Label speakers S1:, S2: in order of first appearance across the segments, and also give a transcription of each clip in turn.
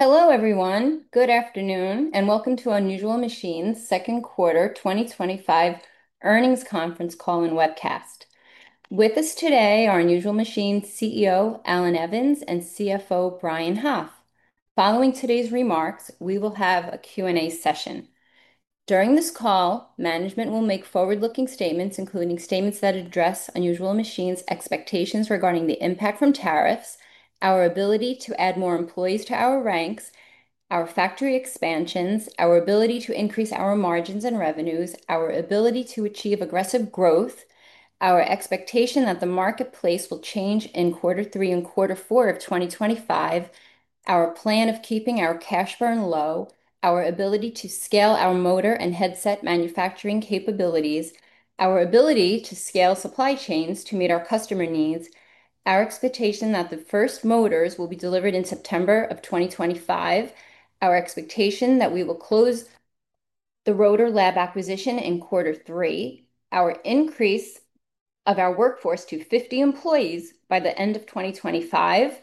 S1: Hello everyone, good afternoon, and welcome to Unusual Machines' Second Quarter 2025 Earnings Conference Call and Webcast. With us today are Unusual Machines CEO Allan Evans and CFO Brian Hoff. Following today's remarks, we will have a Q&A session. During this call, management will make forward-looking statements, including statements that address Unusual Machines' expectations regarding the impact from tariffs, our ability to add more employees to our ranks, our factory expansions, our ability to increase our margins and revenues, our ability to achieve aggressive growth, our expectation that the marketplace will change in quarter three and quarter four of 2025, our plan of keeping our cash burn low, our ability to scale our motor and headset manufacturing capabilities, our ability to scale supply chains to meet our customer needs, our expectation that the first motors will be delivered in September of 2025, our expectation that we will close the Rotor Lab acquisition in quarter three, our increase of our workforce to 50 employees by the end of 2025,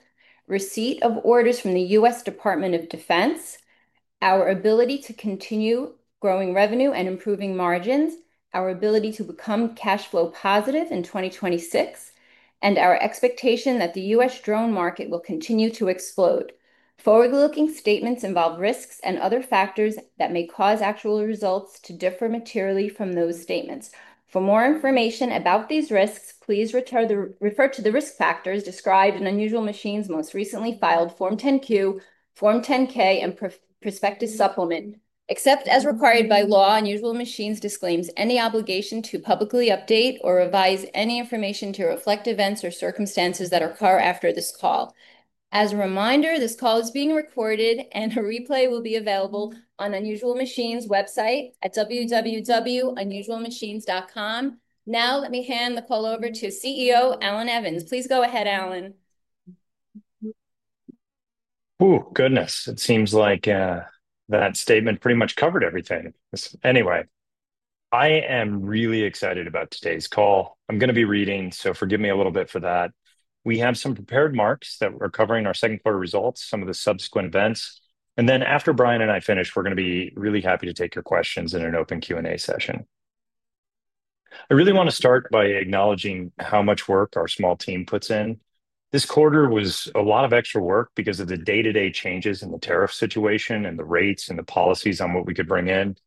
S1: receipt of orders from the U.S. Department of Defense. Our ability to continue growing revenue and improving margins, our ability to become cash flow positive in 2026, and our expectation that the U.S. drone market will continue to explode. Forward-looking statements involve risks and other factors that may cause actual results to differ materially from those statements. For more information about these risks, please refer to the risk factors described in Unusual Machines' most recently filed Form 10-Q, Form 10-K, and prospective supplement. Except as required by law, Unusual Machines disclaims any obligation to publicly update or revise any information to reflect events or circumstances that occur after this call. As a reminder, this call is being recorded, and a replay will be available on Unusual Machines' website at www.unusualmachines.com. Now, let me hand the call over to CEO Allan Evans. Please go ahead, Allan.
S2: Goodness. It seems like that statement pretty much covered everything. Anyway, I am really excited about today's call. I'm going to be reading, so forgive me a little bit for that. We have some prepared marks that we're covering our second quarter results, some of the subsequent events, and then after Brian and I finish, we're going to be really happy to take your questions in an open Q&A session. I really want to start by acknowledging how much work our small team puts in. This quarter was a lot of extra work because of the day-to-day changes in the tariff situation and the rates and the policies on what we could bring in.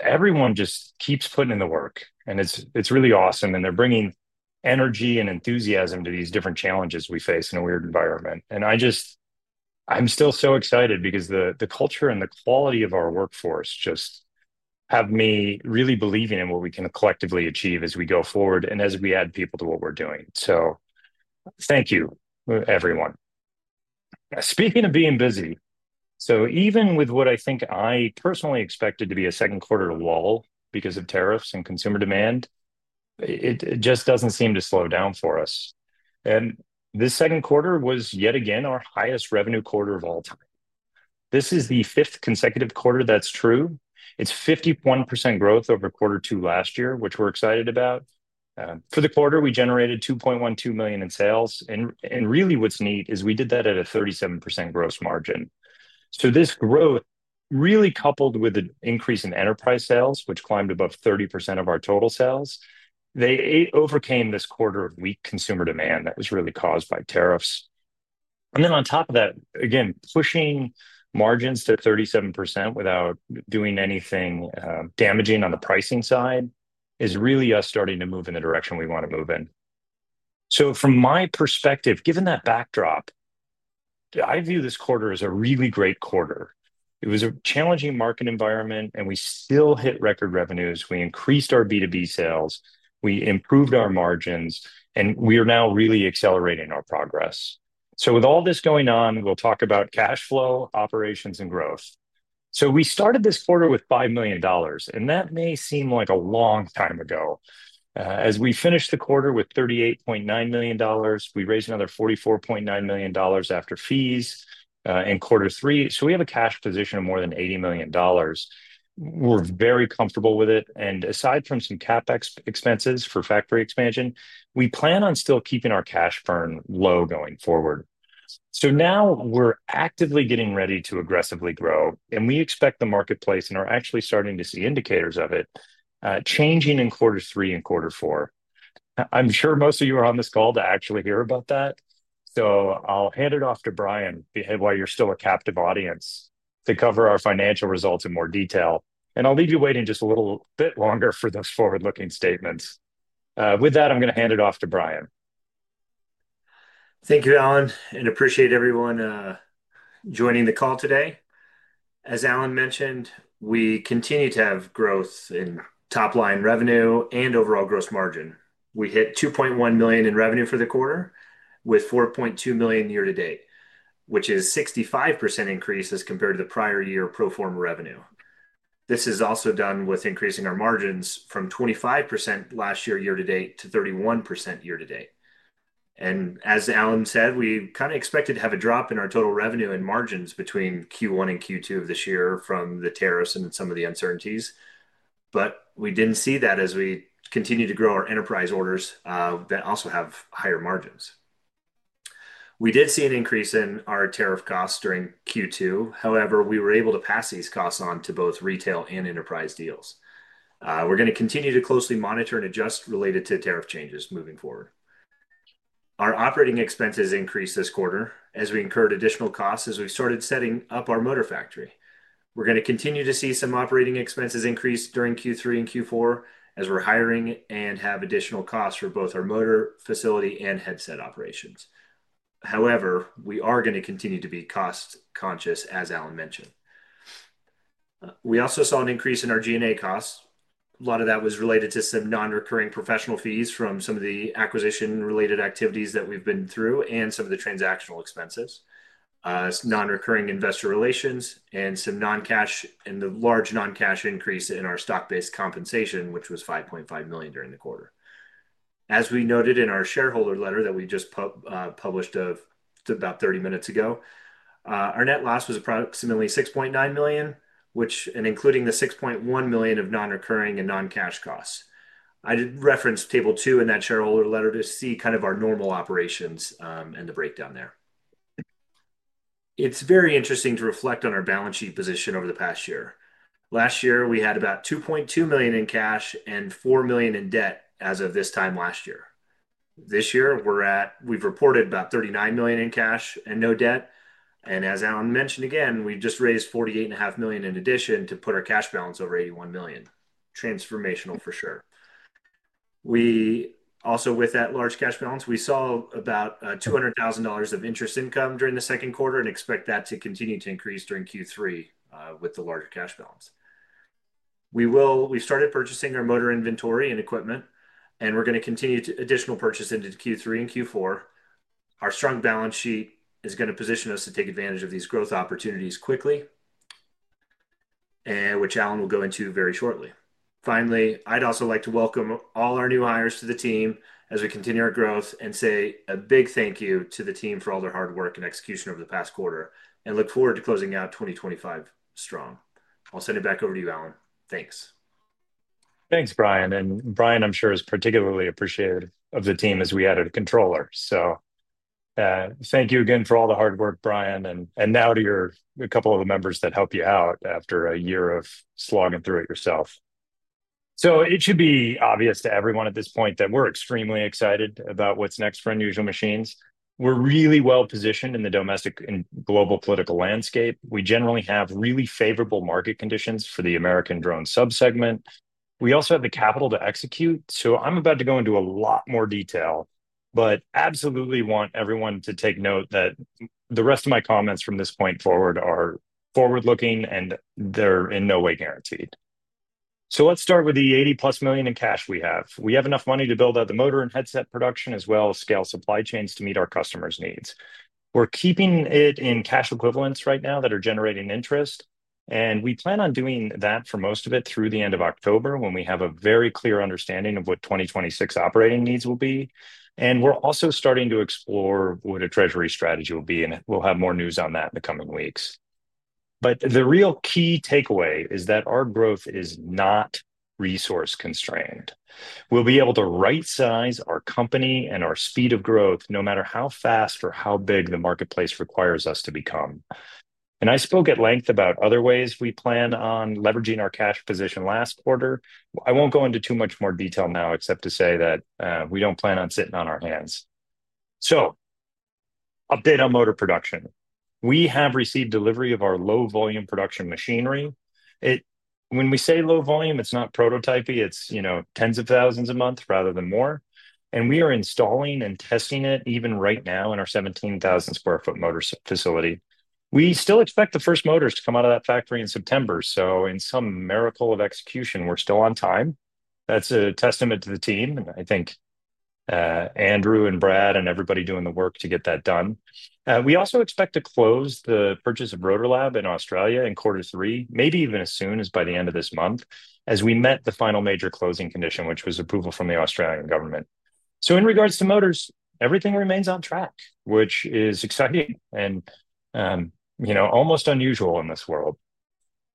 S2: Everyone just keeps putting in the work, and it's really awesome, and they're bringing energy and enthusiasm to these different challenges we face in a weird environment. I just, I'm still so excited because the culture and the quality of our workforce just have me really believing in what we can collectively achieve as we go forward and as we add people to what we're doing. Thank you, everyone. Speaking of being busy, even with what I think I personally expected to be a second quarter to wall because of tariffs and consumer demand, it just doesn't seem to slow down for us. This second quarter was yet again our highest revenue quarter of all time. This is the fifth consecutive quarter that's true. It's 51% growth over quarter two last year, which we're excited about. For the quarter, we generated $2.12 million in sales, and really what's neat is we did that at a 37% gross margin. This growth really coupled with an increase in enterprise sales, which climbed above 30% of our total sales, they overcame this quarter of weak consumer demand that was really caused by tariffs. On top of that, again, pushing margins to 37% without doing anything damaging on the pricing side is really us starting to move in the direction we want to move in. From my perspective, given that backdrop, I view this quarter as a really great quarter. It was a challenging market environment, and we still hit record revenues. We increased our B2B sales, we improved our margins, and we are now really accelerating our progress. With all this going on, we'll talk about cash flow, operations, and growth. We started this quarter with $5 million, and that may seem like a long time ago as we finished the quarter with $38.9 million. We raised another $44.9 million after fees, in quarter three. We have a cash position of more than $80 million. We're very comfortable with it, and aside from some CapEx for factory expansion, we plan on still keeping our cash burn low going forward. Now we're actively getting ready to aggressively grow, and we expect the marketplace, and are actually starting to see indicators of it, changing in quarter three and quarter four. I'm sure most of you are on this call to actually hear about that. I'll hand it off to Brian while you're still a captive audience to cover our financial results in more detail. I'll leave you waiting just a little bit longer for those forward-looking statements. With that, I'm going to hand it off to Brian.
S3: Thank you, Allan, and appreciate everyone joining the call today. As Allan mentioned, we continue to have growth in top line revenue and overall gross margin. We hit $2.1 million in revenue for the quarter, with $4.2 million year to date, which is a 65% increase as compared to the prior year pro forma revenue. This is also done with increasing our margins from 25% last year year to date to 31% year to date. As Allan said, we kind of expected to have a drop in our total revenue and margins between Q1 and Q2 of this year from the tariffs and some of the uncertainties. We did not see that as we continue to grow our enterprise orders, that also have higher margins. We did see an increase in our tariff costs during Q2. However, we were able to pass these costs on to both retail and enterprise deals. We are going to continue to closely monitor and adjust related to tariff changes moving forward. Our operating expenses increased this quarter as we incurred additional costs as we started setting up our motor factory. We are going to continue to see some operating expenses increase during Q3 and Q4 as we are hiring and have additional costs for both our motor facility and headset operations. However, we are going to continue to be cost conscious, as Allan mentioned. We also saw an increase in our G&A costs. A lot of that was related to some non-recurring professional fees from some of the acquisition-related activities that we've been through and some of the transactional expenses, non-recurring investor relations, and some non-cash and the large non-cash increase in our stock-based compensation, which was $5.5 million during the quarter. As we noted in our shareholder letter that we just published about 30 minutes ago, our net loss was approximately $6.9 million, including the $6.1 million of non-recurring and non-cash costs. I did reference table two in that shareholder letter to see kind of our normal operations and the breakdown there. It's very interesting to reflect on our balance sheet position over the past year. Last year, we had about $2.2 million in cash and $4 million in debt as of this time last year. This year, we've reported about $39 million in cash and no debt. As Allan mentioned again, we just raised $48.5 million in addition to put our cash balance over $81 million. Transformational for sure. We also, with that large cash balance, we saw about $200,000 of interest income during the second quarter and expect that to continue to increase during Q3 with the larger cash balance. We've started purchasing our motor inventory and equipment, and we're going to continue to additional purchase into Q3 and Q4. Our strong balance sheet is going to position us to take advantage of these growth opportunities quickly, which Allan will go into very shortly. Finally, I'd also like to welcome all our new hires to the team as we continue our growth and say a big thank you to the team for all their hard work and execution over the past quarter and look forward to closing out 2025 strong. I'll send it back over to you, Allan. Thanks.
S2: Thanks, Brian. Brian, I'm sure, is particularly appreciative of the team as we added a controller. Thank you again for all the hard work, Brian, and now to your couple of members that help you out after a year of slogging through it yourself. It should be obvious to everyone at this point that we're extremely excited about what's next for Unusual Machines. We're really well positioned in the domestic and global political landscape. We generally have really favorable market conditions for the American drone subsegment. We also have the capital to execute. I'm about to go into a lot more detail, but absolutely want everyone to take note that the rest of my comments from this point forward are forward-looking and they're in no way guaranteed. Let's start with the $80+ million in cash we have. We have enough money to build out the motor and headset production as well as scale supply chains to meet our customers' needs. We're keeping it in cash equivalents right now that are generating interest, and we plan on doing that for most of it through the end of October when we have a very clear understanding of what 2026 operating needs will be. We're also starting to explore what a treasury strategy will be, and we'll have more news on that in the coming weeks. The real key takeaway is that our growth is not resource constrained. We'll be able to right size our company and our speed of growth no matter how fast or how big the marketplace requires us to become. I spoke at length about other ways we plan on leveraging our cash position last quarter. I won't go into too much more detail now except to say that we don't plan on sitting on our hands. A bit on motor production. We have received delivery of our low volume production machinery. When we say low volume, it's not prototypy. It's tens of thousands a month rather than more. We are installing and testing it even right now in our 17,000 square foot motor facility. We still expect the first motors to come out of that factory in September. In some miracle of execution, we're still on time. That's a testament to the team. I think Andrew and Brad and everybody doing the work to get that done. We also expect to close the purchase of Rotor Lab in Australia in quarter three, maybe even as soon as by the end of this month, as we met the final major closing condition, which was approval from the Australian government. In regards to motors, everything remains on track, which is exciting and almost unusual in this world.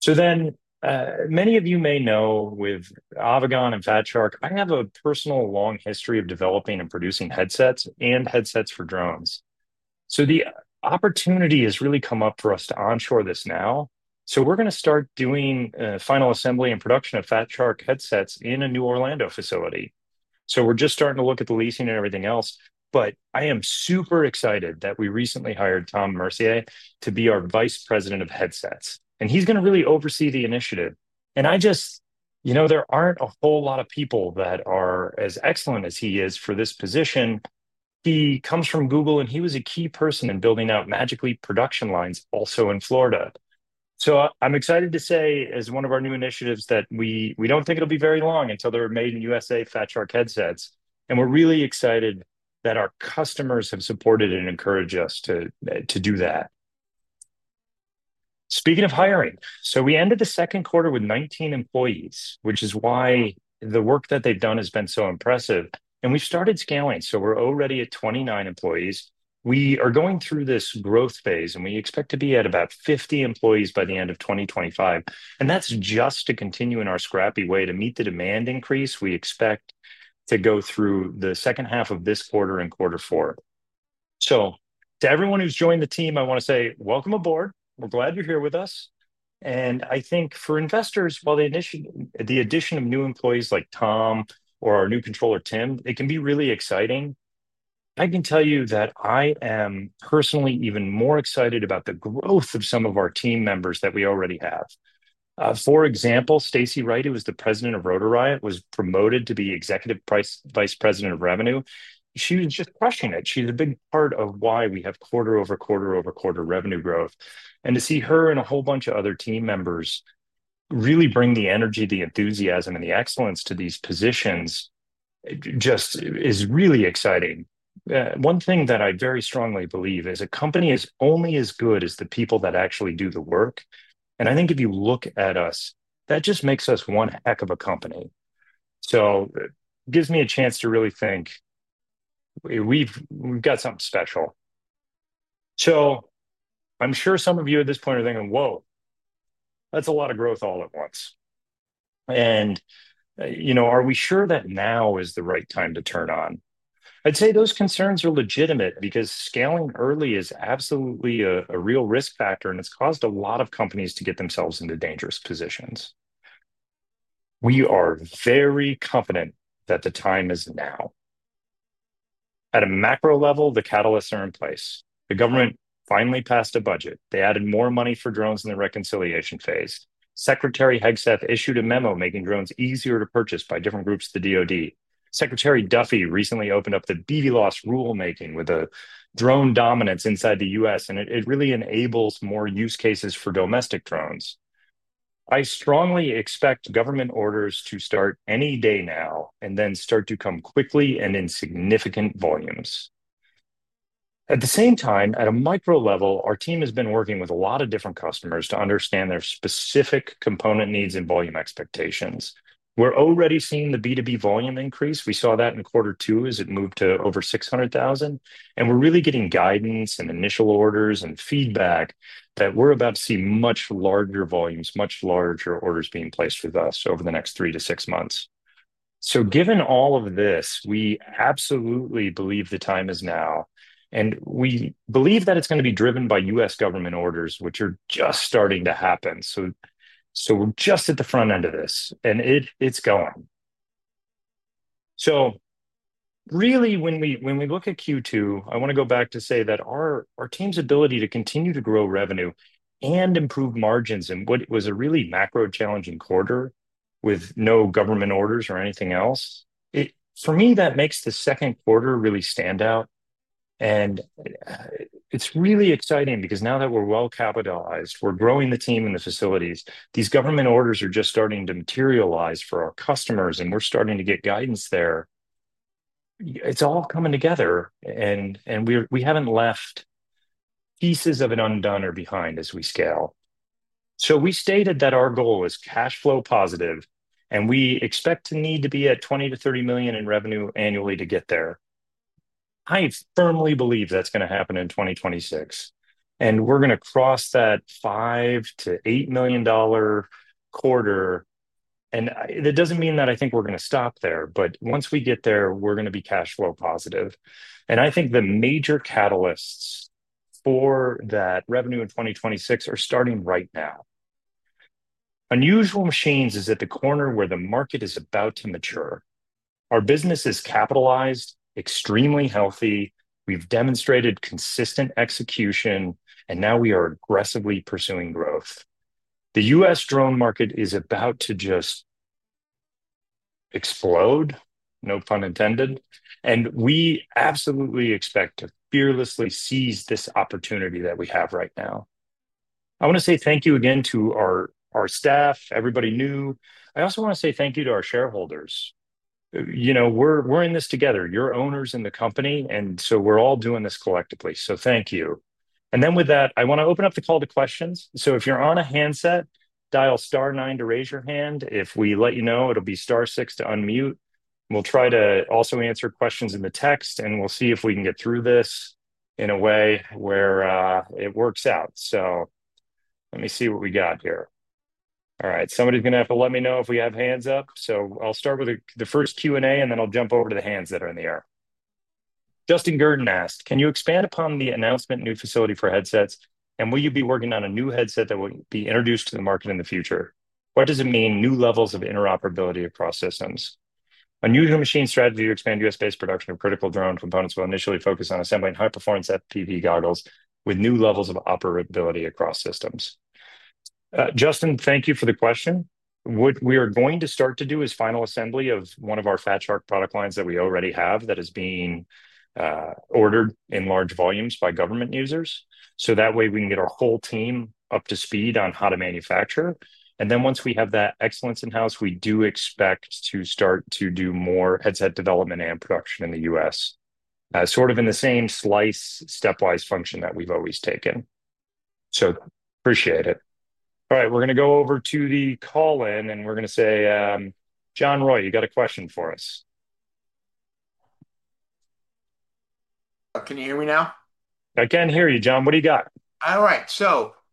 S2: Many of you may know with Avegant and Fat Shark, I have a personal long history of developing and producing headsets and headsets for drones. The opportunity has really come up for us to onshore this now. We're going to start doing final assembly and production of Fat Shark headsets in a new Orlando facility. We're just starting to look at the leasing and everything else. I am super excited that we recently hired Tom Mercier to be our Vice President of Headsets. He's going to really oversee the initiative. There aren't a whole lot of people that are as excellent as he is for this position. He comes from Google, and he was a key person in building out Magic Leap production lines also in Florida. I'm excited to say as one of our new initiatives that we don't think it'll be very long until they're made in the U.S. Fat Shark headsets. We're really excited that our customers have supported and encouraged us to do that. Speaking of hiring, we ended the second quarter with 19 employees, which is why the work that they've done has been so impressive. We've started scaling. We're already at 29 employees. We are going through this growth phase, and we expect to be at about 50 employees by the end of 2025. That's just to continue in our scrappy way to meet the demand increase we expect to go through the second half of this quarter and quarter four. To everyone who's joined the team, I want to say welcome aboard. We're glad you're here with us. I think for investors, while the addition of new employees like Tom or our new controller, Tim, can be really exciting, I can tell you that I am personally even more excited about the growth of some of our team members that we already have. For example, Stacy Wright, who was the President of Rotor Riot, was promoted to be Executive Vice President of Revenue. She was just crushing it. She's a big part of why we have quarter over quarter over quarter revenue growth. To see her and a whole bunch of other team members really bring the energy, the enthusiasm, and the excellence to these positions is really exciting. One thing that I very strongly believe is a company is only as good as the people that actually do the work. I think if you look at us, that just makes us one heck of a company. It gives me a chance to really think we've got something special. I'm sure some of you at this point are thinking, whoa, that's a lot of growth all at once. You know, are we sure that now is the right time to turn on? I'd say those concerns are legitimate because scaling early is absolutely a real risk factor, and it's caused a lot of companies to get themselves into dangerous positions. We are very confident that the time is now. At a macro level, the catalysts are in place. The government finally passed a budget. They added more money for drones in the reconciliation phase. Secretary Hegseth issued a memo making drones easier to purchase by different groups of the Department of Defense. Secretary Duffy recently opened up the BVLOS rulemaking with a drone dominance inside the U.S., and it really enables more use cases for domestic drones. I strongly expect government orders to start any day now and then start to come quickly and in significant volumes. At the same time, at a micro level, our team has been working with a lot of different customers to understand their specific component needs and volume expectations. We're already seeing the B2B volume increase. We saw that in quarter two as it moved to over $600,000. We're really getting guidance and initial orders and feedback that we're about to see much larger volumes, much larger orders being placed with us over the next three to six months. Given all of this, we absolutely believe the time is now. We believe that it's going to be driven by U.S. government orders, which are just starting to happen. We're just at the front end of this, and it's going. When we look at Q2, I want to go back to say that our team's ability to continue to grow revenue and improve margins in what was a really macro challenging quarter with no government orders or anything else, for me, that makes the second quarter really stand out. It's really exciting because now that we're well capitalized, we're growing the team and the facilities. These government orders are just starting to materialize for our customers, and we're starting to get guidance there. It's all coming together, and we haven't left pieces of an undone or behind as we scale. We stated that our goal is cash flow positive, and we expect the need to be at $20 million-$30 million in revenue annually to get there. I firmly believe that's going to happen in 2026. We're going to cross that $5 million-$8 million quarter. It doesn't mean that I think we're going to stop there, but once we get there, we're going to be cash flow positive. I think the major catalysts for that revenue in 2026 are starting right now. Unusual Machines is at the corner where the market is about to mature. Our business is capitalized, extremely healthy. We've demonstrated consistent execution, and now we are aggressively pursuing growth. The U.S. drone market is about to just explode, no pun intended. We absolutely expect to fearlessly seize this opportunity that we have right now. I want to say thank you again to our staff, everybody new. I also want to say thank you to our shareholders. You know, we're in this together. You're owners in the company, and we're all doing this collectively. Thank you. With that, I want to open up the call to questions. If you're on a handset, dial star nine to raise your hand. If we let you know, it'll be star six to unmute. We'll try to also answer questions in the text, and we'll see if we can get through this in a way where it works out. Let me see what we got here. All right, somebody's going to have to let me know if we have hands up. I'll start with the first Q&A, and then I'll jump over to the hands that are in the air. Justin Gordon asked, can you expand upon the announcement of new facility for headsets, and will you be working on a new headset that will be introduced to the market in the future? What does it mean, new levels of interoperability across systems? Unusual Machines strategy to expand U.S.-based production of critical drone components will initially focus on assembling high-performance FPV goggles with new levels of operability across systems. Justin, thank you for the question. What we are going to start to do is final assembly of one of our Fat Shark product lines that we already have that is being ordered in large volumes by government users. That way we can get our whole team up to speed on how to manufacture. Once we have that excellence in-house, we do expect to start to do more headset development and production in the U.S., sort of in the same slice stepwise function that we've always taken. Appreciate it. All right, we're going to go over to the call in, and we're going to say, John Roy, you got a question for us. Can you hear me now? I can hear you, John. What do you got? All right,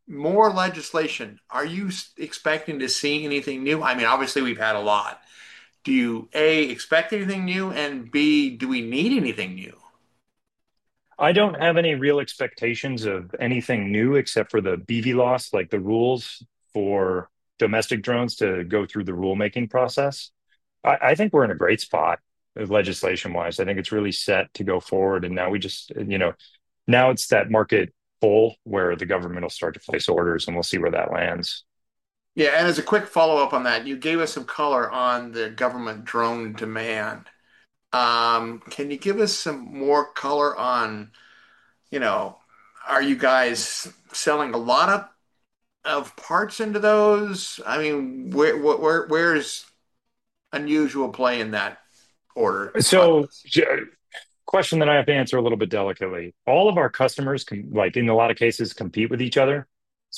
S2: more legislation. Are you expecting to see anything new? I mean, obviously we've had a lot. Do you expect anything new, and do we need anything new? I don't have any real expectations of anything new except for the BVLOS, like the rules for domestic drones to go through the rulemaking process. I think we're in a great spot legislation-wise. I think it's really set to go forward. Now it's that market full where the government will start to place orders and we'll see where that lands. Yeah, as a quick follow-up on that, you gave us some color on the government drone demand. Can you give us some more color on, you know, are you guys selling a lot of parts into those? I mean, where does Unusual Machines play in that order? A question that I have to answer a little bit delicately. All of our customers, like in a lot of cases, compete with each other.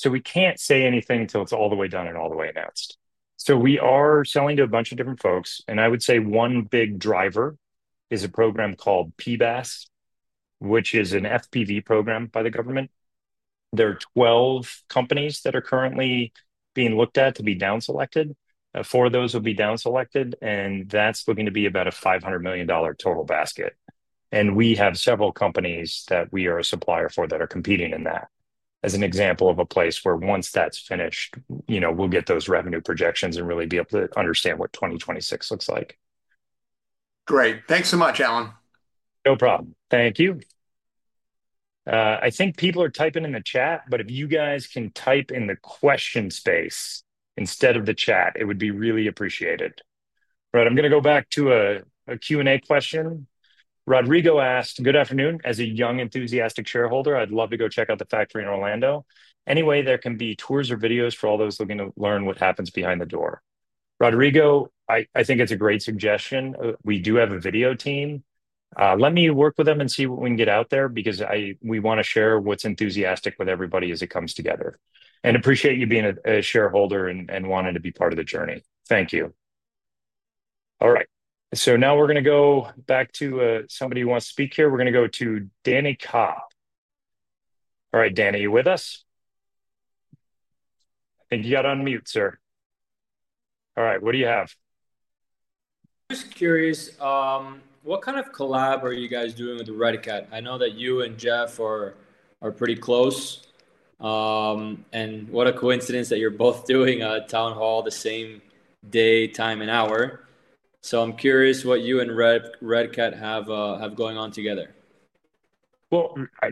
S2: We can't say anything until it's all the way done and all the way announced. We are selling to a bunch of different folks. I would say one big driver is a program called PBAS, which is an FPV program by the government. There are 12 companies that are currently being looked at to be down selected. Four of those will be down selected, and that's looking to be about a $500 million total basket. We have several companies that we are a supplier for that are competing in that. As an example of a place where once that's finished, we'll get those revenue projections and really be able to understand what 2026 looks like. Great. Thanks so much, Allan. No problem. Thank you. I think people are typing in the chat, but if you guys can type in the question space instead of the chat, it would be really appreciated. All right, I'm going to go back to a Q&A question. Rodrigo asked, good afternoon. As a young, enthusiastic shareholder, I'd love to go check out the factory in Orlando. Anyway, there can be tours or videos for all those looking to learn what happens behind the door. Rodrigo, I think it's a great suggestion. We do have a video team. Let me work with them and see what we can get out there because we want to share what's enthusiastic with everybody as it comes together. I appreciate you being a shareholder and wanting to be part of the journey. Thank you. All right, now we're going to go back to somebody who wants to speak here. We're going to go to Danny Ka. All right, Danny, you with us? You got to unmute, sir. All right, what do you have? Just curious, what kind of collab are you guys doing with Red Cat? I know that you and Jeff are pretty close. What a coincidence that you're both doing a town hall the same day, time, and hour. I'm curious what you and Red Cat have going on together.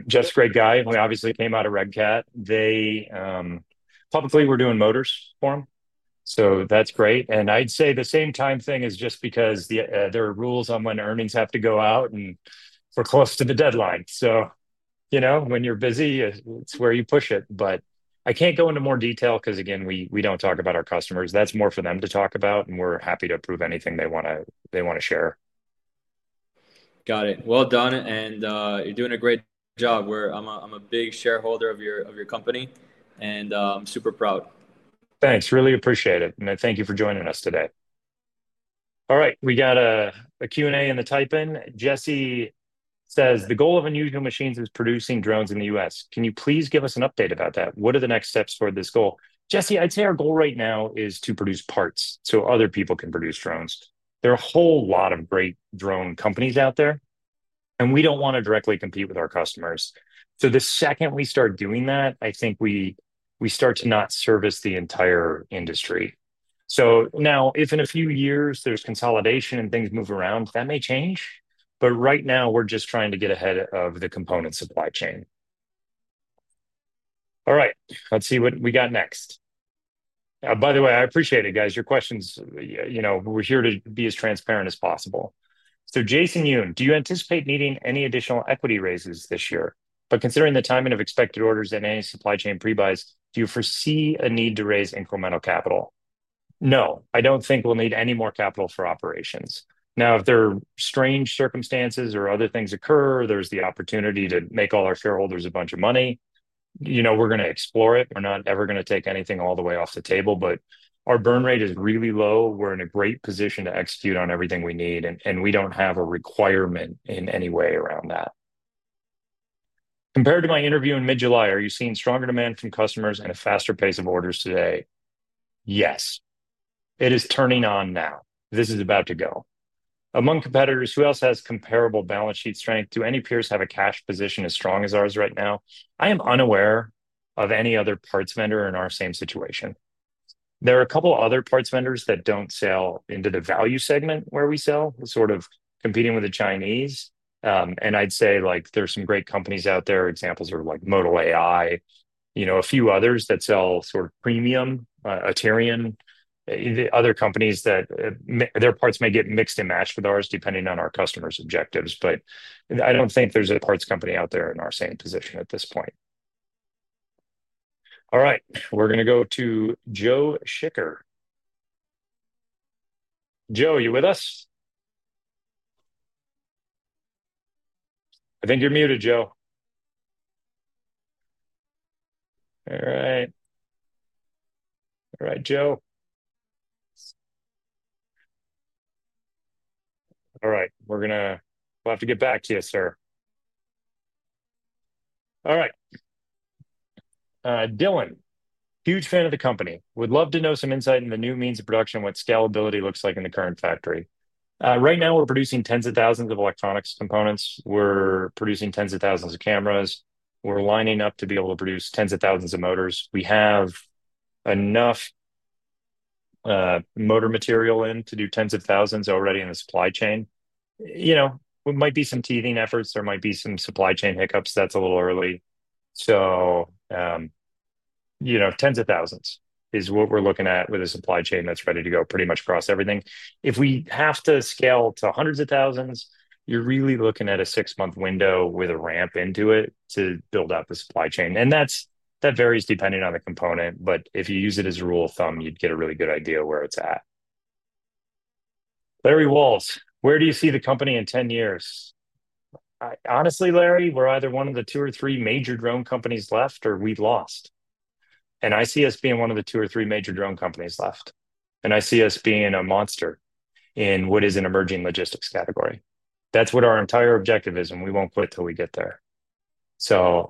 S2: Jeff's a great guy. We obviously came out of Red Cat. They publicly were doing motors for him. That's great. I'd say the same time thing is just because there are rules on when earnings have to go out and we're close to the deadline. You know, when you're busy, it's where you push it. I can't go into more detail because, again, we don't talk about our customers. That's more for them to talk about. We're happy to approve anything they want to share. Got it. Well done. You're doing a great job. I'm a big shareholder of your company, and I'm super proud. Thanks, really appreciate it. Thank you for joining us today. All right, we got a Q&A in the type in. Jesse says, the goal of Unusual Machines is producing drones in the U.S. Can you please give us an update about that? What are the next steps for this goal? Jesse, I'd say our goal right now is to produce parts so other people can produce drones. There are a whole lot of great drone companies out there. We don't want to directly compete with our customers. The second we start doing that, I think we start to not service the entire industry. If in a few years there's consolidation and things move around, that may change. Right now, we're just trying to get ahead of the component supply chain. All right, let's see what we got next. By the way, I appreciate it, guys. Your questions, you know, we're here to be as transparent as possible. Jason Yoon, do you anticipate needing any additional equity raises this year? Considering the timing of expected orders and any supply chain pre-buys, do you foresee a need to raise incremental capital? No, I don't think we'll need any more capital for operations. If there are strange circumstances or other things occur, there's the opportunity to make all our shareholders a bunch of money. We're going to explore it. We're not ever going to take anything all the way off the table, but our burn rate is really low. We're in a great position to execute on everything we need, and we don't have a requirement in any way around that. Compared to my interview in mid-July, are you seeing stronger demand from customers and a faster pace of orders today? Yes, it is turning on now. This is about to go. Among competitors, who else has comparable balance sheet strength? Do any peers have a cash position as strong as ours right now? I am unaware of any other parts vendor in our same situation. There are a couple of other parts vendors that don't sell into the value segment where we sell, sort of competing with the Chinese. I'd say there's some great companies out there, examples of like Model AI, you know, a few others that sell sort of premium, [Atarian], other companies that their parts may get mixed and matched with ours depending on our customers' objectives. I don't think there's a parts company out there in our same position at this point. All right, we're going to go to Joe Schicker. Joe, you with us? I think you're muted, Joe. All right. All right, Joe. All right, we're going to, we'll have to get back to you, sir. All right. Dylan, huge fan of the company. Would love to know some insight into the new means of production, what scalability looks like in the current factory. Right now, we're producing tens of thousands of electronics components. We're producing tens of thousands of cameras. We're lining up to be able to produce tens of thousands of motors. We have enough motor material in to do tens of thousands already in the supply chain. It might be some teething efforts. There might be some supply chain hiccups. That's a little early. Tens of thousands is what we're looking at with a supply chain that's ready to go pretty much across everything. If we have to scale to hundreds of thousands, you're really looking at a six-month window with a ramp into it to build out the supply chain. That varies depending on the component, but if you use it as a rule of thumb, you'd get a really good idea of where it's at. Larry Walz, where do you see the company in 10 years? Honestly, Larry, we're either one of the two or three major drone companies left, or we've lost. I see us being one of the two or three major drone companies left. I see us being a monster in what is an emerging logistics category. That's what our entire objective is, and we won't quit till we get there. The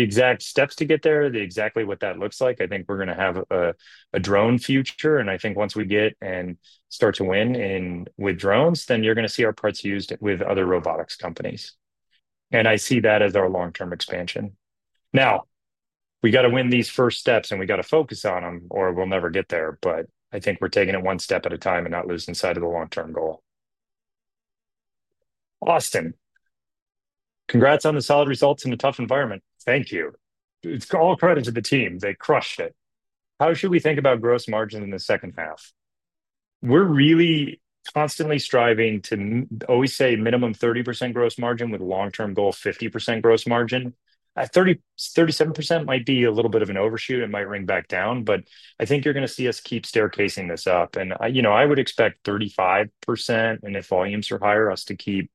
S2: exact steps to get there, exactly what that looks like, I think we're going to have a drone future. I think once we get and start to win with drones, then you're going to see our parts used with other robotics companies. I see that as our long-term expansion. We got to win these first steps, and we got to focus on them, or we'll never get there. I think we're taking it one step at a time and not losing sight of the long-term goal. Austin, congrats on the solid results in a tough environment. Thank you. It's all credit to the team. They crushed it. How should we think about gross margin in the second half? We're really constantly striving to always say minimum 30% gross margin with a long-term goal of 50% gross margin. At 37% might be a little bit of an overshoot. It might ring back down, but I think you're going to see us keep staircasing this up. I would expect 35%, and if volumes are higher, us to keep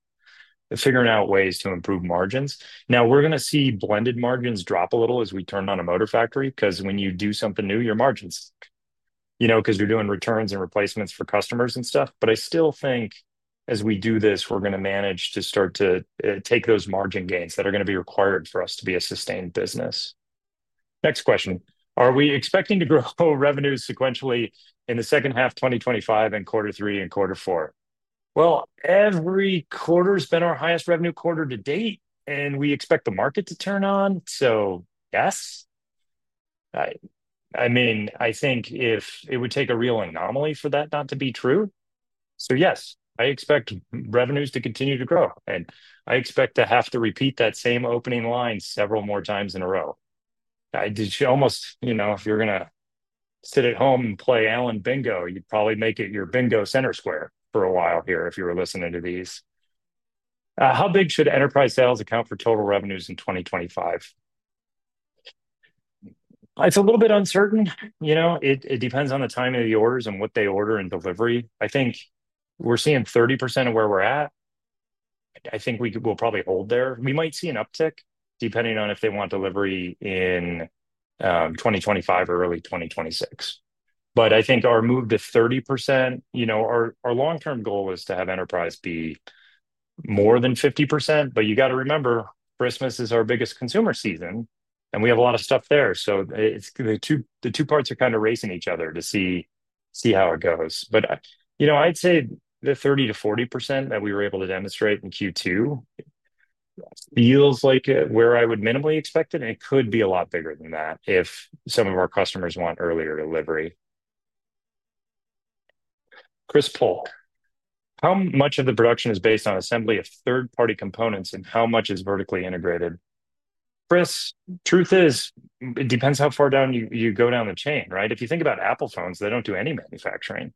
S2: figuring out ways to improve margins. Now, we're going to see blended margins drop a little as we turn on a motor factory, because when you do something new, your margins, you know, because you're doing returns and replacements for customers and stuff. I still think as we do this, we're going to manage to start to take those margin gains that are going to be required for us to be a sustained business. Next question. Are we expecting to grow revenue sequentially in the second half of 2025 and quarter three and quarter four? Every quarter's been our highest revenue quarter to date, and we expect the market to turn on. Yes, I mean, I think it would take a real anomaly for that not to be true. Yes, I expect revenues to continue to grow, and I expect to have to repeat that same opening line several more times in a row. I did almost, you know, if you're going to sit at home and play Allan Bingo, you'd probably make it your Bingo Center Square for a while here if you were listening to these. How big should enterprise sales account for total revenues in 2025? It's a little bit uncertain. It depends on the timing of the orders and what they order in delivery. I think we're seeing 30% of where we're at. I think we will probably hold there. We might see an uptick depending on if they want delivery in 2025 or early 2026. I think our move to 30%, our long-term goal is to have enterprise be more than 50%. You got to remember, Christmas is our biggest consumer season, and we have a lot of stuff there. The two parts are kind of racing each other to see how it goes. I'd say the 30%-40% that we were able to demonstrate in Q2 feels like where I would minimally expect it. It could be a lot bigger than that if some of our customers want earlier delivery. Chris Paul, how much of the production is based on assembly of third-party components, and how much is vertically integrated? Chris, truth is, it depends how far down you go down the chain, right? If you think about Apple phones, they don't do any manufacturing.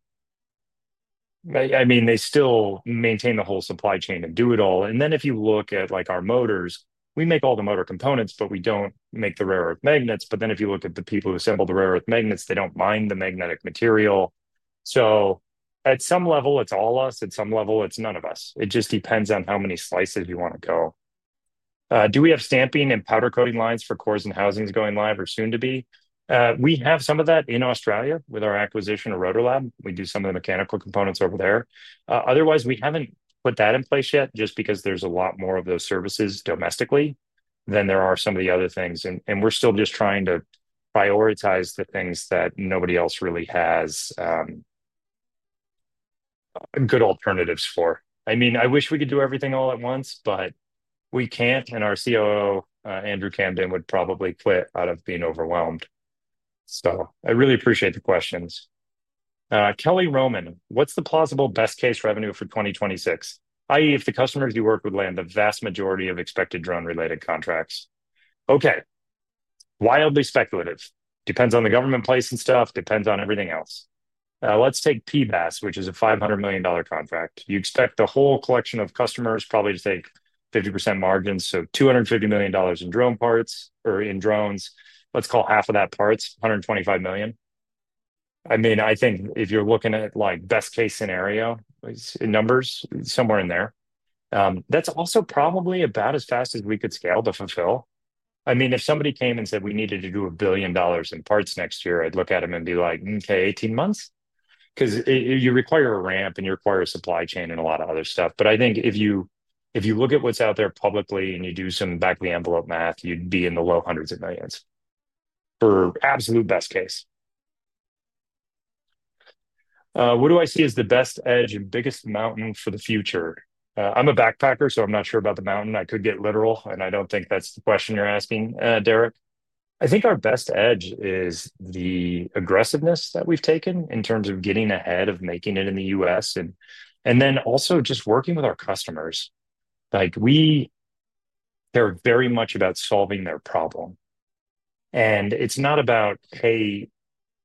S2: I mean, they still maintain the whole supply chain and do it all. If you look at like our motors, we make all the motor components, but we don't make the rare earth magnets. If you look at the people who assemble the rare earth magnets, they don't mine the magnetic material. At some level, it's all us. At some level, it's none of us. It just depends on how many slices you want to go. Do we have stamping and powder coating lines for cores and housings going live or soon to be? We have some of that in Australia with our acquisition of Rotor Lab. We do some of the mechanical components over there. Otherwise, we haven't put that in place yet just because there's a lot more of those services domestically than there are some of the other things. We are still just trying to prioritize the things that nobody else really has good alternatives for. I wish we could do everything all at once, but we can't. Our COO, Andrew Camden, would probably quit out of being overwhelmed. I really appreciate the questions. Kelly Roman, what's the plausible best case revenue for 2026? I.e., if the customers you work with land the vast majority of expected drone-related contracts. Okay, wildly speculative. Depends on the government placing stuff. Depends on everything else. Let's take PBAS, which is a $500 million contract. You expect the whole collection of customers probably to take 50% margins, so $250 million in drone parts or in drones. Let's call half of that parts, $125 million. I think if you're looking at like best case scenario in numbers, somewhere in there. That's also probably about as fast as we could scale to fulfill. If somebody came and said we needed to do a billion dollars in parts next year, I'd look at them and be like, okay, 18 months? You require a ramp and you require a supply chain and a lot of other stuff. I think if you look at what's out there publicly and you do some back of the envelope math, you'd be in the low hundreds of millions for absolute best case. What do I see as the best edge and biggest mountain for the future? I'm a backpacker, so I'm not sure about the mountain. I could get literal, and I don't think that's the question you're asking, Derek. I think our best edge is the aggressiveness that we've taken in terms of getting ahead of making it in the U.S. Also, just working with our customers. They are very much about solving their problem. It's not about, hey,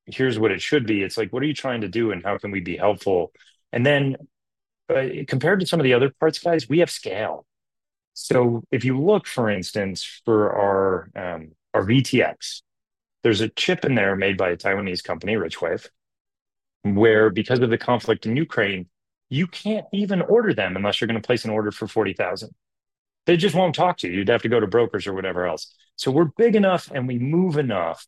S2: here's what it should be. It's like, what are you trying to do and how can we be helpful? Compared to some of the other parts guys, we have scale. If you look, for instance, for our VTX, there's a chip in there made by a Taiwanese company, RichWave, where because of the conflict in Ukraine, you can't even order them unless you're going to place an order for $40,000. They just won't talk to you. You'd have to go to brokers or whatever else. We're big enough and we move enough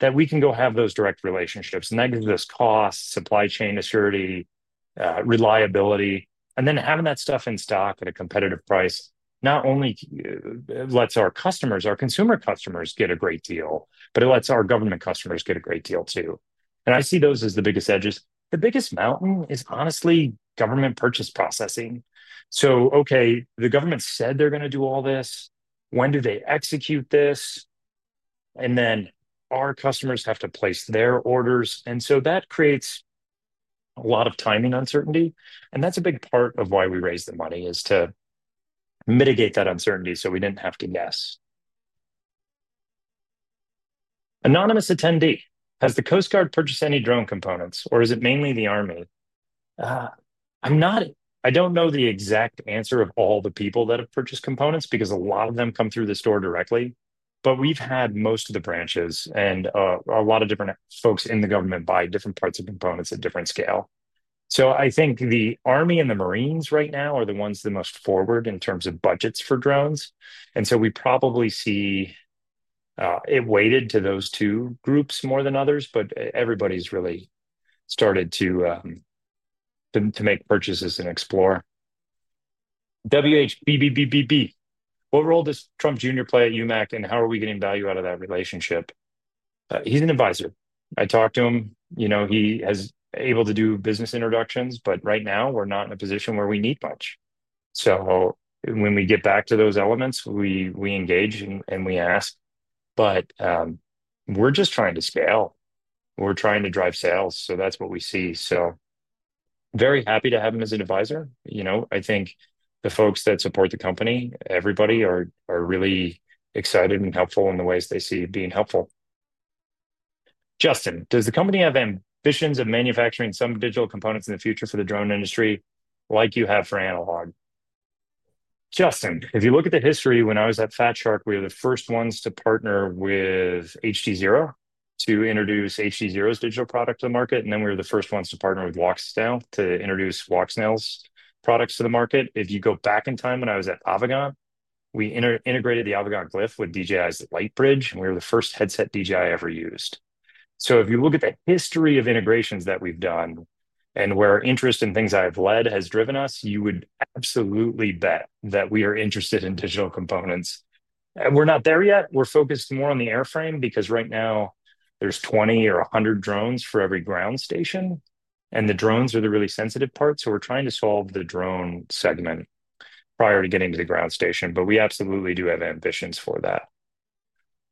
S2: that we can go have those direct relationships. That gives us cost, supply chain assurity, reliability. Having that stuff in stock at a competitive price not only lets our customers, our consumer customers get a great deal, but it lets our government customers get a great deal too. I see those as the biggest edges. The biggest mountain is honestly government purchase processing. The government said they're going to do all this. When do they execute this? Our customers have to place their orders. That creates a lot of timing uncertainty. That's a big part of why we raised the money, to mitigate that uncertainty so we didn't have to guess. Anonymous attendee, has the Coast Guard purchased any drone components or is it mainly the Army? I'm not, I don't know the exact answer of all the people that have purchased components because a lot of them come through the store directly. We've had most of the branches and a lot of different folks in the government buy different parts of components at different scale. I think the Army and the Marines right now are the ones the most forward in terms of budgets for drones. We probably see it weighted to those two groups more than others, but everybody's really started to make purchases and explore. WHBBBBB, what role does Trump Jr. play at UMAC and how are we getting value out of that relationship? He's an advisor. I talk to him. He is able to do business introductions, but right now we're not in a position where we need much. When we get back to those elements, we engage and we ask. We're just trying to scale. We're trying to drive sales. That's what we see. Very happy to have him as an advisor. I think the folks that support the company, everybody, are really excited and helpful in the ways they see being helpful. Justin, does the company have ambitions of manufacturing some digital components in the future for the drone industry like you have for analog? Justin, if you look at the history, when I was at Fat Shark, we were the first ones to partner with HDZero to introduce HDZero's digital product to the market. We were the first ones to partner with Walksnail to introduce Walksnail's products to the market. If you go back in time when I was at Avegant, we integrated the Avegant Glyph with DJI's Lightbridge, and we were the first headset DJI ever used. If you look at the history of integrations that we've done and where interest in things I've led has driven us, you would absolutely bet that we are interested in digital components. We're not there yet. We're focused more on the airframe because right now there's 20 or 100 drones for every ground station. The drones are the really sensitive part. We're trying to solve the drone segment prior to getting to the ground station. We absolutely do have ambitions for that.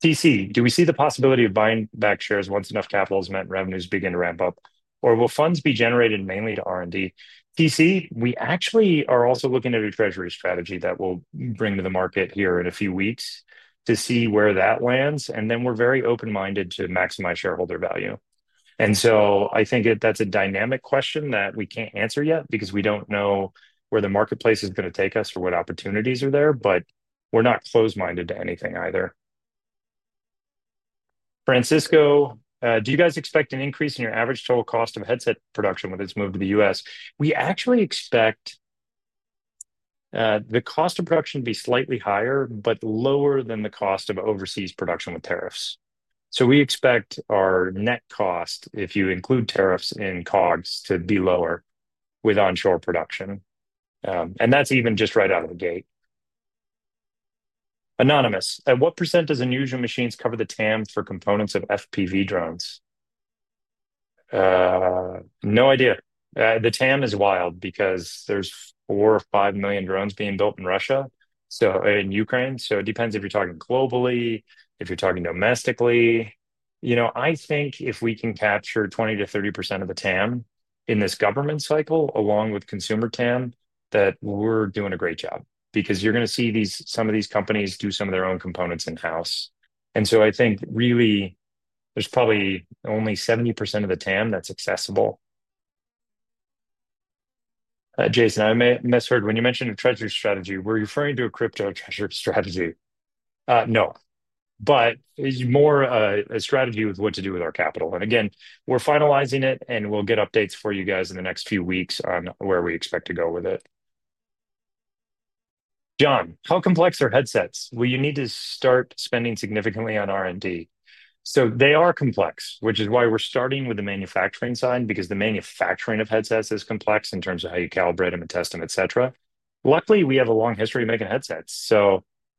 S2: CC, do we see the possibility of buying back shares once enough capital is met and revenues begin to ramp up? Or will funds be generated mainly to R&D? CC, we actually are also looking at a treasury strategy that we'll bring to the market here in a few weeks to see where that lands. We're very open-minded to maximize shareholder value. I think that's a dynamic question that we can't answer yet because we don't know where the marketplace is going to take us or what opportunities are there. We're not close-minded to anything either. Francisco, do you guys expect an increase in your average total cost of headset production with its move to the U.S.? We actually expect the cost of production to be slightly higher, but lower than the cost of overseas production with tariffs. We expect our net cost, if you include tariffs in COGS, to be lower with onshore production. That's even just right out of the gate. Anonymous, at what percent does Unusual Machines cover the TAM for components of FPV drones? No idea. The TAM is wild because there's four or five million drones being built in Russia. In Ukraine. It depends if you're talking globally, if you're talking domestically. I think if we can capture 20%-30% of the TAM in this government cycle, along with consumer TAM, that we're doing a great job because you're going to see some of these companies do some of their own components in-house. I think really there's probably only 70% of the TAM that's accessible. Jason, I misheard. When you mentioned a treasury strategy, were you referring to a crypto treasury strategy? No, but it's more a strategy with what to do with our capital. Again, we're finalizing it and we'll get updates for you guys in the next few weeks on where we expect to go with it. John, how complex are headsets? Will you need to start spending significantly on R&D? They are complex, which is why we're starting with the manufacturing side because the manufacturing of headsets is complex in terms of how you calibrate them, test them, et cetera. Luckily, we have a long history of making headsets.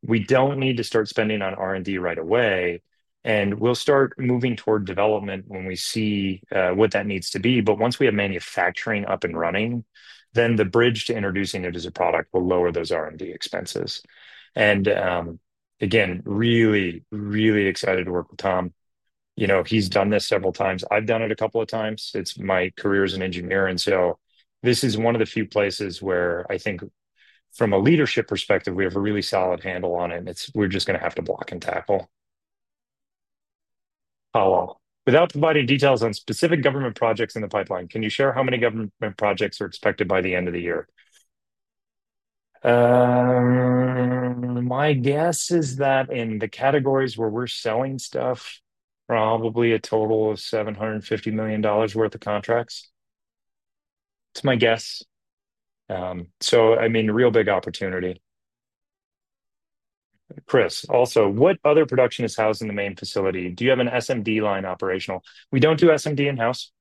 S2: We don't need to start spending on R&D right away. We'll start moving toward development when we see what that needs to be. Once we have manufacturing up and running, the bridge to introducing it as a product will lower those R&D expenses. Again, really, really excited to work with Tom. He's done this several times. I've done it a couple of times. It's my career as an engineer. This is one of the few places where I think from a leadership perspective, we have a really solid handle on it. We're just going to have to block and tackle. Without providing details on specific government projects in the pipeline, can you share how many government projects are expected by the end of the year? My guess is that in the categories where we're selling stuff, probably a total of $750 million worth of contracts. It's my guess. I mean, real big opportunity. Chris, also, what other production is housed in the main facility? Do you have an SMD line operational? We don't do SMD in-house.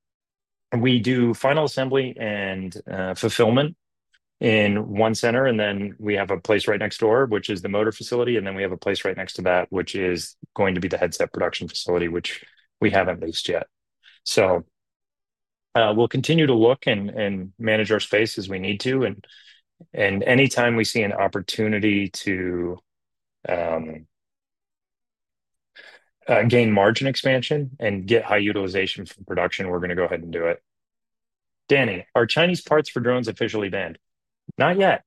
S2: We do final assembly and fulfillment in one center. We have a place right next door, which is the motor facility. We have a place right next to that, which is going to be the headset production facility, which we haven't leased yet. We'll continue to look and manage our space as we need to. Anytime we see an opportunity to gain margin expansion and get high utilization for production, we're going to go ahead and do it. Danny, are Chinese parts for drones officially banned? Not yet.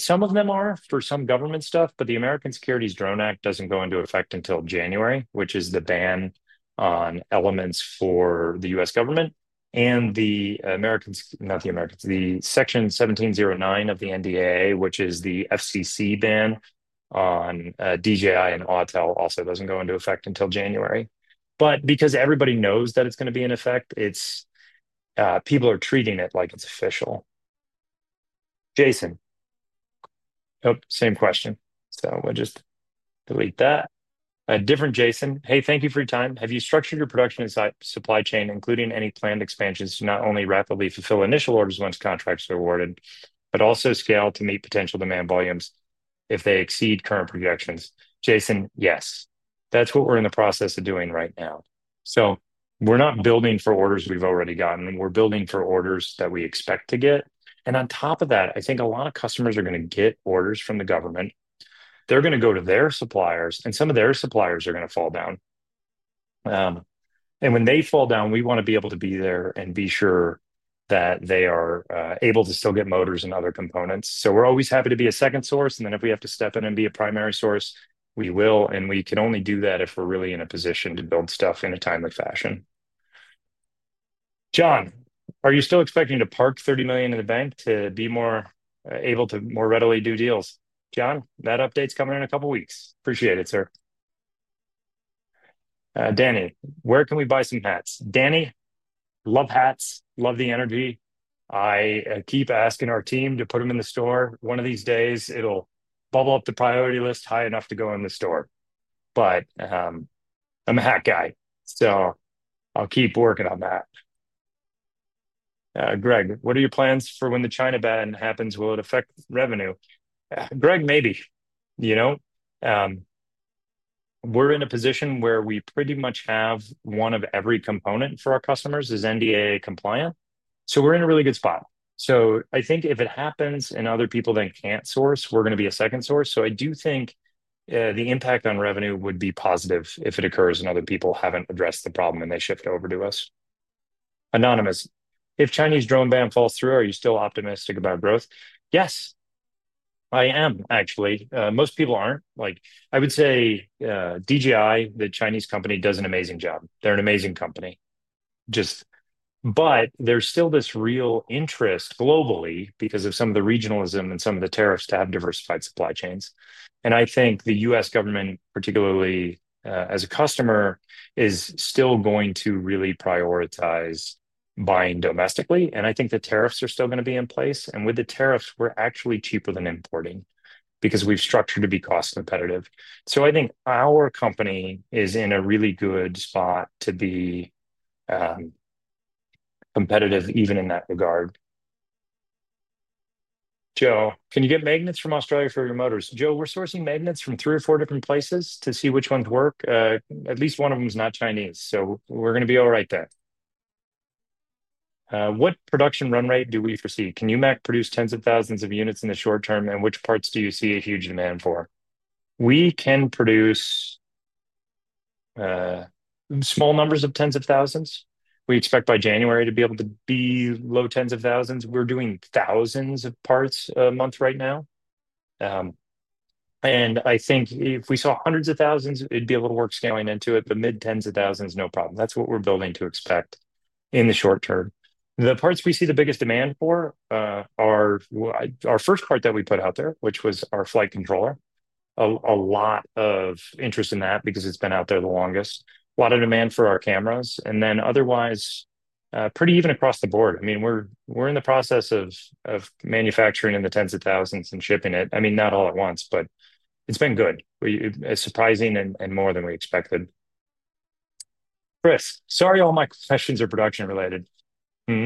S2: Some of them are for some government stuff, but the American Securities Drone Act doesn't go into effect until January, which is the ban on elements for the U.S. government. Section 1709 of the NDAA, which is the FCC ban on DJI and Autel, also doesn't go into effect until January. Because everybody knows that it's going to be in effect, people are treating it like it's official. Jason, oh, same question. I'll just delete that. A different Jason. Hey, thank you for your time. Have you structured your production supply chain, including any planned expansions, to not only rapidly fulfill initial orders once contracts are awarded, but also scale to meet potential demand volumes if they exceed current projections? Jason, yes. That's what we're in the process of doing right now. We're not building for orders we've already gotten. We're building for orders that we expect to get. I think a lot of customers are going to get orders from the government. They're going to go to their suppliers, and some of their suppliers are going to fall down. When they fall down, we want to be able to be there and be sure that they are able to still get motors and other components. We're always happy to be a second source. If we have to step in and be a primary source, we will. We can only do that if we're really in a position to build stuff in a timely fashion. John, are you still expecting to park $30 million in the bank to be more able to more readily do deals? John, that update's coming in a couple of weeks. Appreciate it, sir. Danny, where can we buy some hats? Danny, love hats, love the energy. I keep asking our team to put them in the store. One of these days, it'll bubble up the priority list high enough to go in the store. I'm a hat guy. I'll keep working on that. Greg, what are your plans for when the China ban happens? Will it affect revenue? Greg, maybe. We're in a position where we pretty much have one of every component for our customers is NDAA-compliant. We're in a really good spot. I think if it happens and other people then can't source, we're going to be a second source. I do think the impact on revenue would be positive if it occurs and other people haven't addressed the problem and they shift over to us. Anonymous, if Chinese drone ban falls through, are you still optimistic about growth? Yes, I am actually. Most people aren't. I would say DJI, the Chinese company, does an amazing job. They're an amazing company. There's still this real interest globally because of some of the regionalism and some of the tariffs to have diversified supply chains. I think the U.S. government, particularly as a customer, is still going to really prioritize buying domestically. I think the tariffs are still going to be in place. With the tariffs, we're actually cheaper than importing because we've structured to be cost competitive. I think our company is in a really good spot to be competitive even in that regard. Joe, can you get magnets from Australia for your motors? Joe, we're sourcing magnets from three or four different places to see which ones work. At least one of them is not Chinese. We're going to be all right there. What production run rate do we foresee? Can UMAC produce tens of thousands of units in the short term and which parts do you see a huge demand for? We can produce small numbers of tens of thousands. We expect by January to be able to be low tens of thousands. We're doing thousands of parts a month right now. If we saw hundreds of thousands, it'd be able to work scaling into it. Mid tens of thousands, no problem. That's what we're building to expect in the short term. The parts we see the biggest demand for are our first part that we put out there, which was our flight controller. A lot of interest in that because it's been out there the longest. A lot of demand for our cameras. Otherwise, pretty even across the board. We're in the process of manufacturing in the tens of thousands and shipping it. Not all at once, but it's been good. It's surprising and more than we expected. Chris, sorry, all my questions are production related.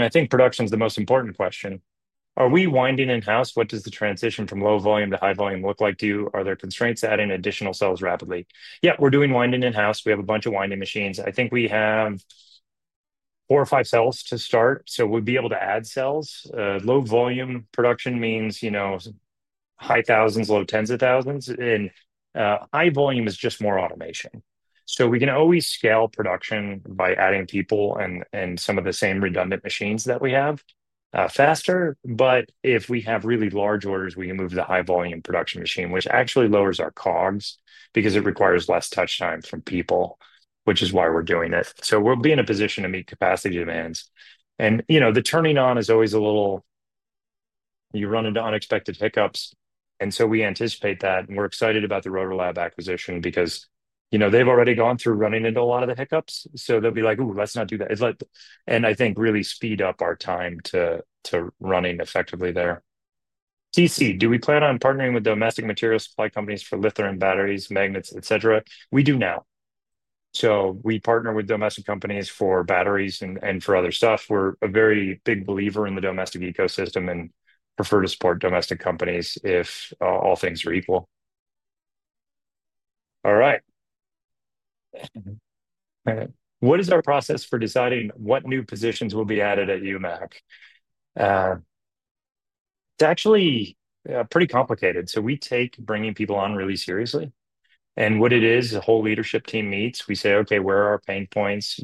S2: I think production is the most important question. Are we winding in-house? What does the transition from low volume to high volume look like to you? Are there constraints adding additional cells rapidly? We're doing winding in-house. We have a bunch of winding machines. I think we have four or five cells to start. We'll be able to add cells. Low volume production means high thousands, low tens of thousands. High volume is just more automation. We can always scale production by adding people and some of the same redundant machines that we have faster. If we have really large orders, we can move to the high volume production machine, which actually lowers our COGS because it requires less touch time from people, which is why we're doing it. We'll be in a position to meet capacity demands. The turning on is always a little, you run into unexpected hiccups. We anticipate that. We're excited about the Rotor Lab acquisition because they've already gone through running into a lot of the hiccups. They'll be like, ooh, let's not do that. I think really speed up our time to running effectively there. CC, do we plan on partnering with domestic material supply companies for lithium batteries, magnets, et cetera? We do now. We partner with domestic companies for batteries and for other stuff. We're a very big believer in the domestic ecosystem and prefer to support domestic companies if all things are equal. What is our process for deciding what new positions will be added at UMAC? It's actually pretty complicated. We take bringing people on really seriously. The whole leadership team meets. We say, okay, where are our pain points?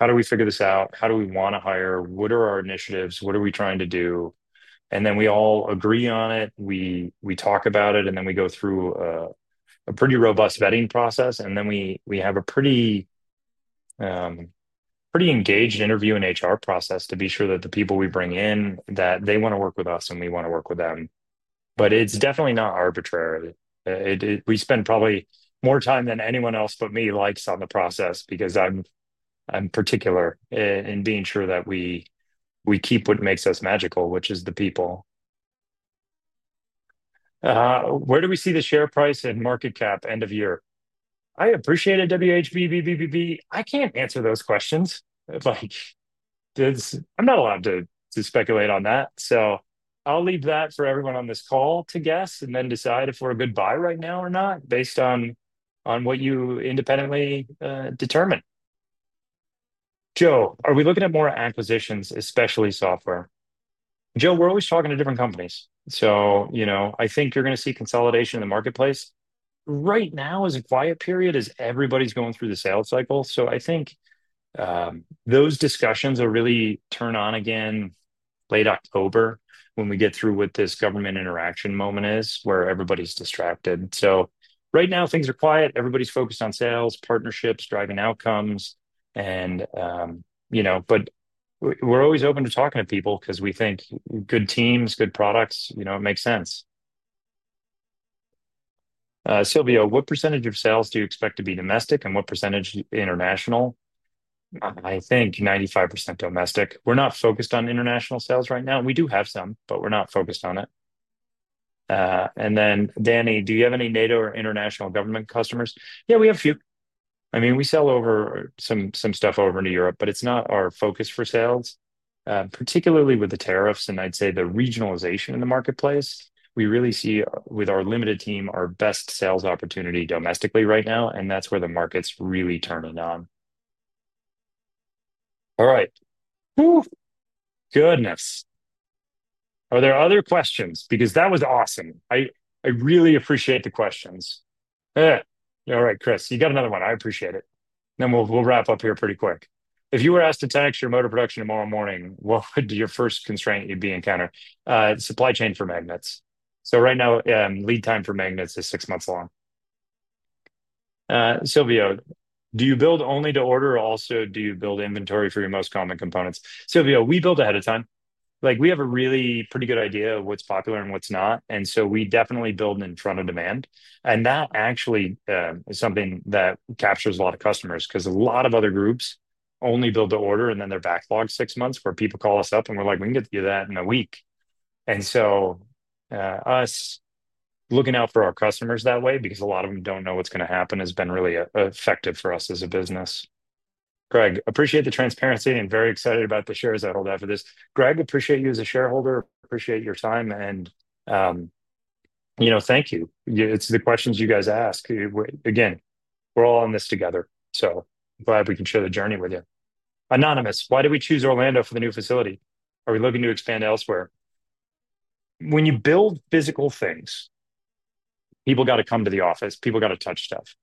S2: How do we figure this out? How do we want to hire? What are our initiatives? What are we trying to do? We all agree on it. We talk about it. We go through a pretty robust vetting process. We have a pretty engaged interview and HR process to be sure that the people we bring in, that they want to work with us and we want to work with them. It's definitely not arbitrary. We spend probably more time than anyone else but me likes on the process because I'm particular in being sure that we keep what makes us magical, which is the people. Where do we see the share price and market cap end of year? I appreciate it, WHBBBBB. I can't answer those questions. I'm not allowed to speculate on that. I'll leave that for everyone on this call to guess and then decide if we're a good buy right now or not based on what you independently determine. Joe, are we looking at more acquisitions, especially software? Joe, we're always talking to different companies. I think you're going to see consolidation in the marketplace. Right now is a quiet period as everybody's going through the sales cycle. I think those discussions will really turn on again late October when we get through what this government interaction moment is where everybody's distracted. Right now things are quiet. Everybody's focused on sales, partnerships, driving outcomes. We're always open to talking to people because we think good teams, good products, it makes sense. Sylvio, what percentage of sales do you expect to be domestic and what percentage international? I think 95% domestic. We're not focused on international sales right now. We do have some, but we're not focused on it. Danny, do you have any NATO or international government customers? Yeah, we have a few. I mean, we sell some stuff over into Europe, but it's not our focus for sales, particularly with the tariffs. I'd say the regionalization in the marketplace, we really see with our limited team our best sales opportunity domestically right now. That's where the market's really turning on. Goodness. Are there other questions? That was awesome. I really appreciate the questions. Chris, you got another one. I appreciate it. We'll wrap up here pretty quick. If you were asked to tax your motor production tomorrow morning, what would be your first constraint you'd be encountering? Supply chain for magnets. Right now, lead time for magnets is six months long. Sylvio, do you build only to order or also do you build inventory for your most common components? Sylvio, we build ahead of time. We have a really pretty good idea of what's popular and what's not, and we definitely build in front of demand. That actually is something that captures a lot of customers because a lot of other groups only build to order and then they're backlogged six months where people call us up and we're like, we can get you that in a week. Us looking out for our customers that way because a lot of them don't know what's going to happen has been really effective for us as a business. Greg, appreciate the transparency and very excited about the shares I hold after this. Greg, appreciate you as a shareholder. Appreciate your time. Thank you. It's the questions you guys ask. Again, we're all on this together. Glad we can share the journey with you. Anonymous, why did we choose Orlando for the new facility? Are we looking to expand elsewhere? When you build physical things, people got to come to the office. People got to touch stuff.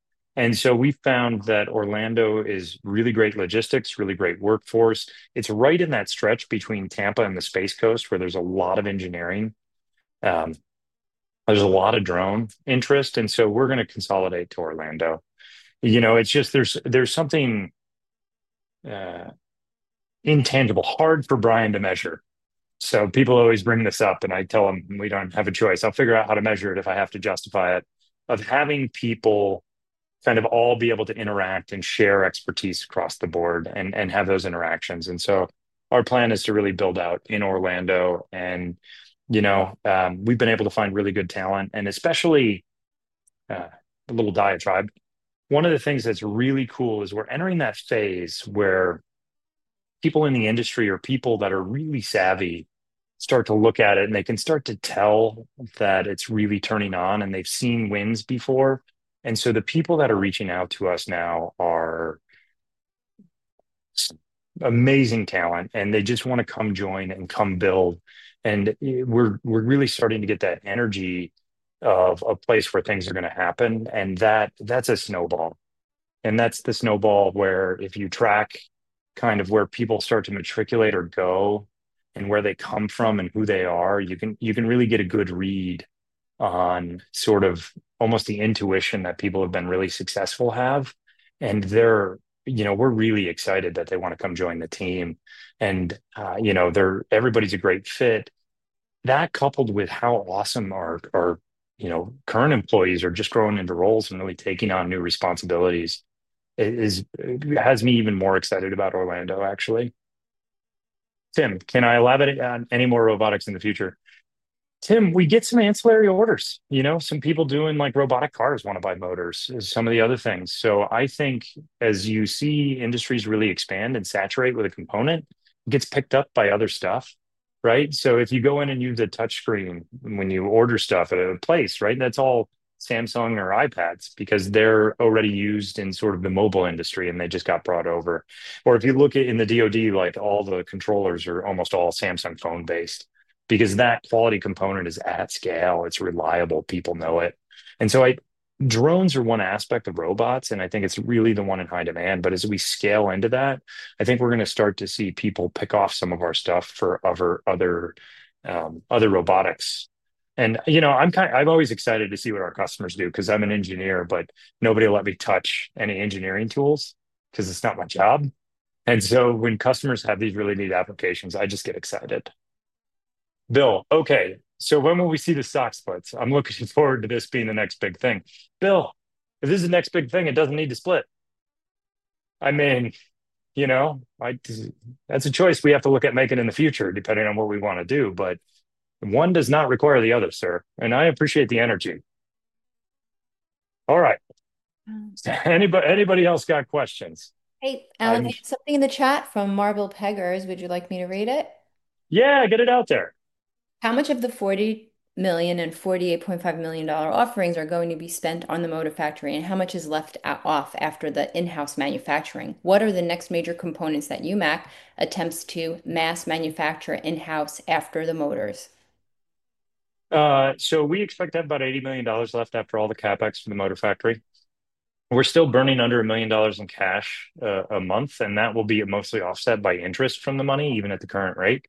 S2: We found that Orlando has really great logistics, really great workforce. It's right in that stretch between Tampa and the Space Coast where there's a lot of engineering. There's a lot of drone interest. We're going to consolidate to Orlando. It's just there's something intangible, hard for Brian to measure. People always bring this up and I tell them we don't have a choice. I'll figure out how to measure it if I have to justify it. Of having people kind of all be able to interact and share expertise across the board and have those interactions. Our plan is to really build out in Orlando. We've been able to find really good talent, especially a little diatribe. One of the things that's really cool is we're entering that phase where people in the industry or people that are really savvy start to look at it and they can start to tell that it's really turning on and they've seen wins before. The people that are reaching out to us now are amazing talent and they just want to come join and come build. We're really starting to get that energy of a place where things are going to happen. That's a snowball. That's the snowball where if you track kind of where people start to matriculate or go and where they come from and who they are, you can really get a good read on sort of almost the intuition that people who have been really successful have. We're really excited that they want to come join the team. Everybody's a great fit. That, coupled with how awesome our current employees are just growing into roles and really taking on new responsibilities, has me even more excited about Orlando, actually. Tim, can I elaborate on any more robotics in the future? Tim, we get some ancillary orders. Some people doing robotic cars want to buy motors, some of the other things. I think as you see industries really expand and saturate with a component, it gets picked up by other stuff, right? If you go in and use a touchscreen when you order stuff at a place, right? That's all Samsung or iPads because they're already used in sort of the mobile industry and they just got brought over. If you look at in the DOD, all the controllers are almost all Samsung phone-based because that quality component is at scale. It's reliable. People know it. Drones are one aspect of robots. I think it's really the one in high demand. As we scale into that, I think we're going to start to see people pick off some of our stuff for other robotics. I'm always excited to see what our customers do because I'm an engineer, but nobody will let me touch any engineering tools because it's not my job. When customers have these really neat applications, I just get excited. Bill, okay, so when will we see the stock splits? I'm looking forward to this being the next big thing. Bill, if this is the next big thing, it doesn't need to split. That's a choice we have to look at making in the future depending on what we want to do. One does not require the other, sir. I appreciate the energy. All right. Anybody else got questions?
S1: Hey, Allan, I have something in the chat from Marble Peggers. Would you like me to read it?
S2: Yeah, get it out there.
S1: How much of the $40 million and $48.5 million offerings are going to be spent on the motor factory? How much is left after the in-house manufacturing? What are the next major components that Unusual Machines attempts to mass manufacture in-house after the motors?
S2: We expect to have about $80 million left after all the CapEx from the motor factory. We're still burning under $1 million in cash a month, and that will be mostly offset by interest from the money, even at the current rate.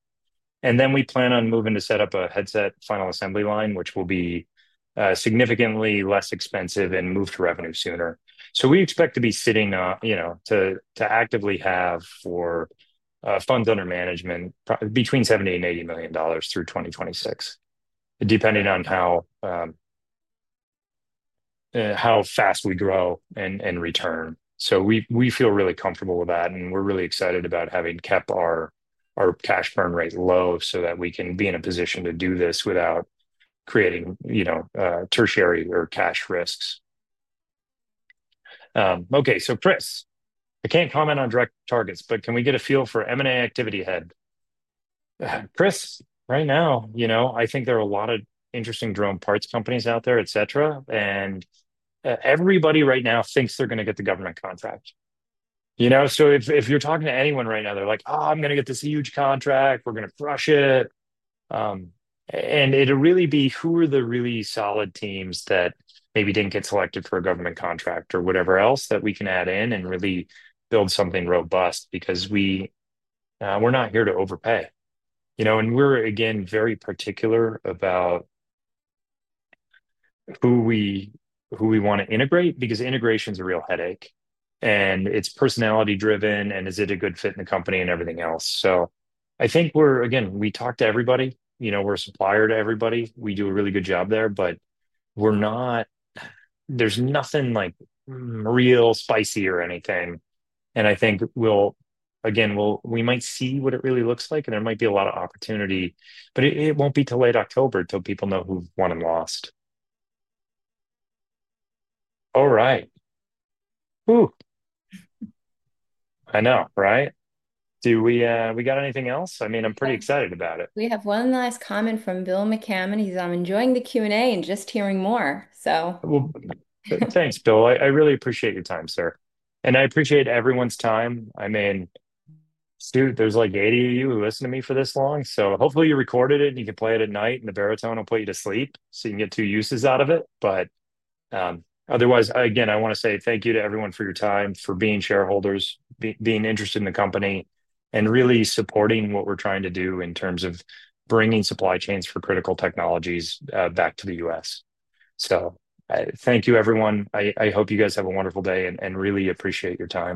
S2: We plan on moving to set up a headset final assembly line, which will be significantly less expensive and move to revenue sooner. We expect to actively have funds under management between $70 million and $80 million through 2026, depending on how fast we grow and return. We feel really comfortable with that, and we're really excited about having kept our cash burn rate low so that we can be in a position to do this without creating tertiary or cash risks. Chris, I can't comment on direct targets, but can we get a feel for M&A activity ahead? Chris, right now, I think there are a lot of interesting drone parts companies out there, et cetera, and everybody right now thinks they're going to get the government contract. If you're talking to anyone right now, they're like, oh, I'm going to get this huge contract. We're going to crush it. It will really be who are the really solid teams that maybe didn't get selected for a government contract or whatever else that we can add in and really build something robust because we're not here to overpay. We're again very particular about who we want to integrate because integration is a real headache. It's personality driven, and is it a good fit in the company and everything else? I think we talk to everybody. We're a supplier to everybody. We do a really good job there, but there's nothing like real spicy or anything. I think we might see what it really looks like, and it might be a lot of opportunity, but it won't be till late October till people know who won and lost. All right. Whoo! I know, right? Do we got anything else? I mean, I'm pretty excited about it.
S1: We have one last comment from Bill McCammon. He's enjoying the Q&A and just hearing more.
S2: Thank you, Bill. I really appreciate the time, sir. I appreciate everyone's time. I mean, there's like 80 of you who listened to me for this long. Hopefully you recorded it and you can play it at night and the baritone will put you to sleep so you can get two uses out of it. Otherwise, I want to say thank you to everyone for your time, for being shareholders, being interested in the company, and really supporting what we're trying to do in terms of bringing supply chains for critical technologies back to the U.S. Thank you, everyone. I hope you guys have a wonderful day and really appreciate your time.